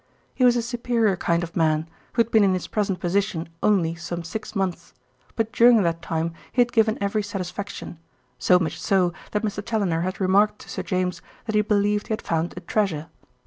He was a superior kind of man, who had been in his present position only some six months; but during that time he had given every satisfaction, so much so that Mr. Challoner had remarked to Sir James that he believed he had found a treasure.